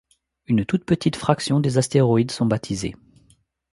Une toute petite fraction des astéroïdes sont baptisés.